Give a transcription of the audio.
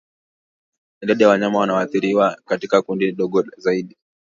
Idadi ya wanyama wanaoathiriwa katika kundi dogo zaidi